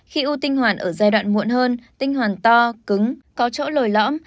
khi u tinh hoàn ở giai đoạn muộn hơn tinh hoàn to cứng có chỗ lồi lõm